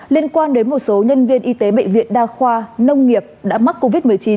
liên quan đến một số nhân viên y tế bệnh viện đa khoa nông nghiệp đã mắc covid một mươi chín